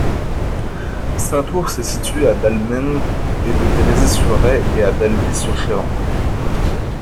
Saint-Ours est située à d'Albens et de Grésy-sur-Aix et à d'Alby-sur-Chéran.